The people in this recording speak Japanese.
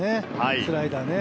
スライダーね。